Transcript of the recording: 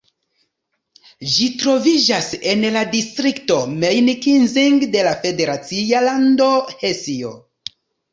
Ĝi troviĝas en la distrikto Main-Kinzig de la federacia lando Hesio.